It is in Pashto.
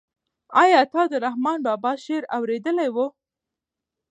آیا تا د رحمان بابا شعر اورېدلی و؟